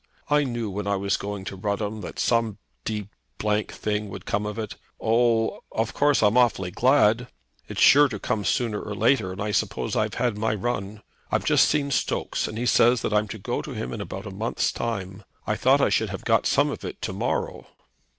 I knew when I was going to Rudham that some d thing would come of it. Oh, of course I'm awfully glad. It's sure to come sooner or later, and I suppose I've had my run. I've just seen Stokes, and he says I'm to go to him in about a month's time. I thought I should have got some of it to morrow?"